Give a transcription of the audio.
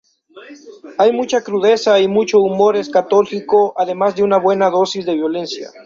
Hay mucha crudeza y mucho humor escatológico, además de una buena dosis de violencia.